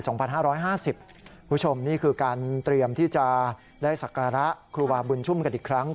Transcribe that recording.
คุณผู้ชมนี่คือการเตรียมที่จะได้สักการะครูบาบุญชุ่มกันอีกครั้ง